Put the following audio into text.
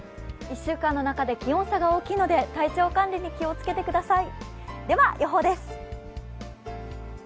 １週間の中で気温差が大きいので、体調管理に気をつけてください。